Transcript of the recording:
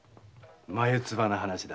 眉唾な話だ。